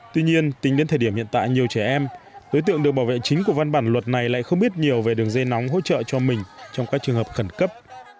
tuy nhiên tính đến thời điểm hiện tại nhiều trẻ em đối tượng được bảo vệ chính của văn bản luật này lại không biết nhiều về đường dây nóng hỗ trợ cho mình trong các trường hợp khẩn cấp